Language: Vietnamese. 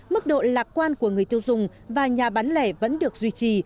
mức độ lạc quan của người tiêu dùng và nhà bán lẻ vẫn được duy trì